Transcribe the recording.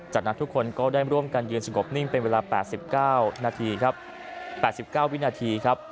จากนั้นทุกคนก็ได้ร่วมกันยืนสงบนิ่งเป็นเวลา๘๙นาทีครับ๘๙วินาทีครับ